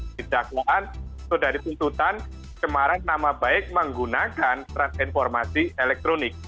di dakwaan atau dari tuntutan cemaran nama baik menggunakan transformasi elektronik